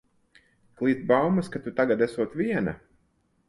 Klīst baumas, ka tu tagad esot viena.